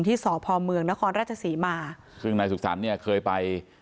ที่สพเมืองนครราชศรีมาซึ่งนายสุขสรรค์เนี่ยเคยไป